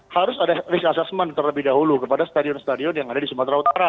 harus ada risk assessment terlebih dahulu kepada stadion stadion yang ada di sumatera utara